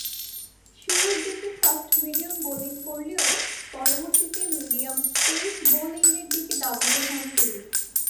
শুরুরদিকে fast medium bowling করলেও পরবর্তীতে medium pace বোলিংয়ের দিকে ধাবিত হন তিনি।